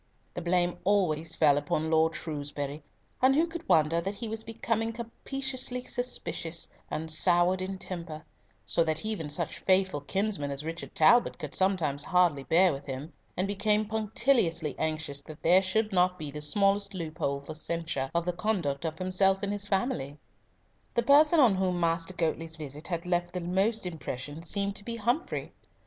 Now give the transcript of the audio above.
The blame always fell upon Lord Shrewsbury; and who could wonder that he was becoming captiously suspicious, and soured in temper, so that even such faithful kinsmen as Richard Talbot could sometimes hardly bear with him, and became punctiliously anxious that there should not be the smallest loophole for censure of the conduct of himself and his family? The person on whom Master Goatley's visit had left the most impression seemed to be Humfrey.